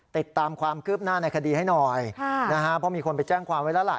ติดตามความคืบหน้าในคดีให้หน่อยค่ะนะฮะเพราะมีคนไปแจ้งความไว้แล้วล่ะ